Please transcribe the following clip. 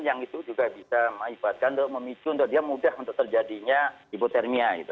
yang itu juga bisa mengibatkan memicu dia mudah untuk terjadinya hipotermia